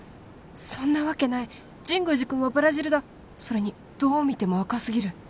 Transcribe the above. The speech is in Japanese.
そんなわけない神宮寺君はブラジルだそれにどう見ても若すぎる